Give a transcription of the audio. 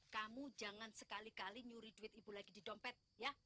kamu jangan sekali kali nyuri duit ibu lagi di dompet ya